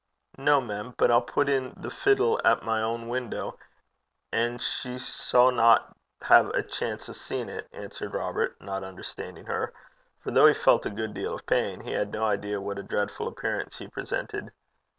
'No, mem; but I'll put in the fiddle at my ain window, and she sanna hae a chance o' seein' 't,' answered Robert, not understanding her; for though he felt a good deal of pain, he had no idea what a dreadful appearance he presented.